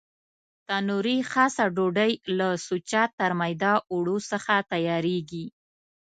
تنوري خاصه ډوډۍ له سوچه ترمیده اوړو څخه تیارېږي.